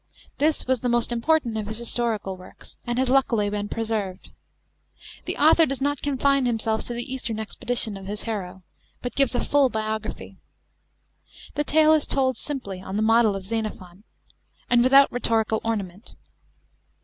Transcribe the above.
This was the most important of his historical works, and has luckily been preserved. The author docs not confine himself to the eastern expedition of his hero, but gives a full biography. The tale is told simply, on the model of Xenophon, and without rhetorical ornament.